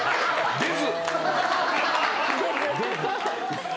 出ず！